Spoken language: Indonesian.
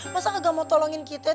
masa gak mau tolongin kita ya